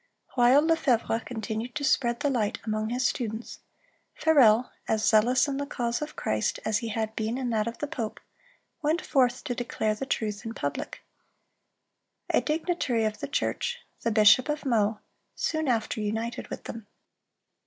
(320) While Lefevre continued to spread the light among his students, Farel, as zealous in the cause of Christ as he had been in that of the pope, went forth to declare the truth in public. A dignitary of the church, the bishop of Meaux, soon after united with them.